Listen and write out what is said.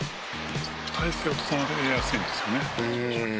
「体勢を整えやすいんですよね」